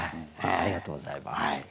ありがとうございます。